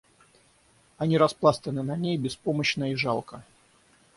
Они распластаны на ней беспомощно и жалко.